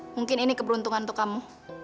mungkin ini keberuntungan untuk kamu